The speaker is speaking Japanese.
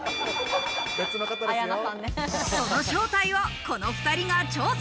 その正体をこの２人が調査。